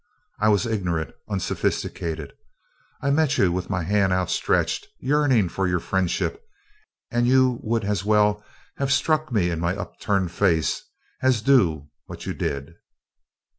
I was ignorant, unsophisticated. I met you with my hand outstretched, yearning for your friendship; and you would as well have struck me in my upturned face as do what you did.